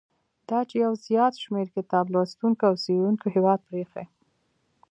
دا چې یو زیات شمیر کتاب لوستونکو او څېړونکو هیواد پریښی.